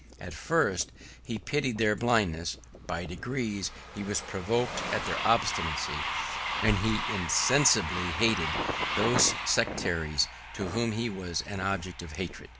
At first, he pitied their blindness; by degrees he was provoked at their obstinacy; and he insensibly hated those sectaries to whom he was an object of hatred.